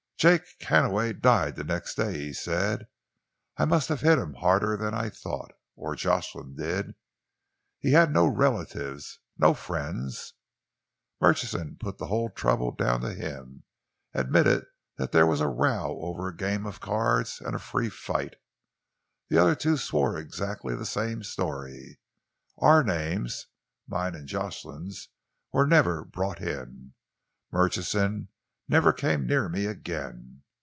"Jake Hannaway died the next day," he said. "I must have hit him harder than I thought or Jocelyn did! He had no relatives, no friends. Murchison put the whole trouble down to him, admitted that there was a row over a game of cards, and a free fight. The other two swore to exactly the same story. Our names mine and Jocelyn's, were never brought in. Murchison never came near me again.